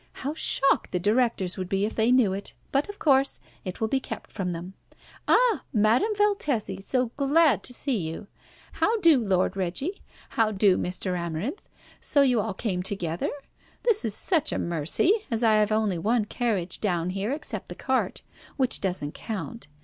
How shocked the directors would be if they knew it, but, of course, it will be kept from them. Ah! Madame Valtesi, so glad to see you! How do, Lord Reggie? How do, Mr. Amarinth? So you all came together! This is such a mercy, as I have only one carriage down here except the cart, which doesn't count.